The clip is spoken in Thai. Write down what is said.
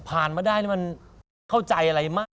ผ่านมาได้มันเข้าใจอะไรมาก